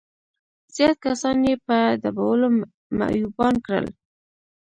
زيات کسان يې په ډبولو معيوبان کړل.